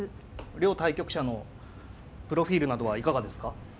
両対局者のプロフィールなどはいかがですか。